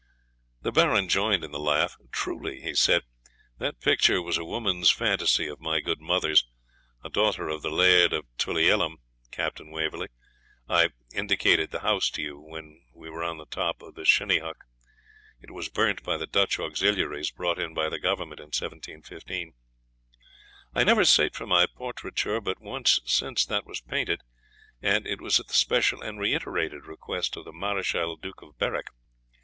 The Baron joined in the laugh. 'Truly,' he said,'that picture was a woman's fantasy of my good mother's (a daughter of the Laird of Tulliellum, Captain Waverley; I indicated the house to you when we were on the top of the Shinnyheuch; it was burnt by the Dutch auxiliaries brought in by the Government in 1715); I never sate for my pourtraicture but once since that was painted, and it was at the special and reiterated request of the Marechal Duke of Berwick.'